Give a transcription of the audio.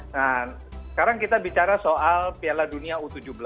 nah sekarang kita bicara soal piala dunia u tujuh belas